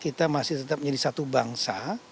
kita masih tetap menjadi satu bangsa